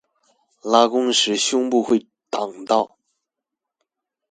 拉弓時胸部會擋到